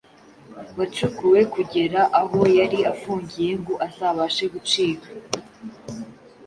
wacukuwe kugera aho yari afungiye ngo azabashe gucika